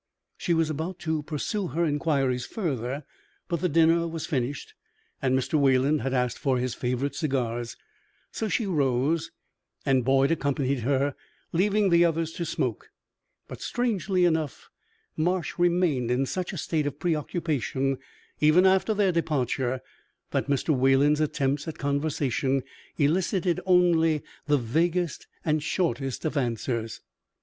She was about to pursue her inquiries further, but the dinner was finished and Mr. Wayland had asked for his favorite cigars, so she rose and Boyd accompanied her, leaving the others to smoke. But, strangely enough, Marsh remained in such a state of preoccupation, even after their departure, that Mr. Wayland's attempts at conversation elicited only the vaguest and shortest of answers.